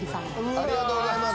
ありがとうございます。